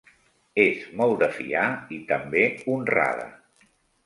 És molt de fiar i també honrada.